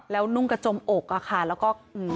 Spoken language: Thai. แล้วนุ่งกระจมอกอะค่ะแล้วก็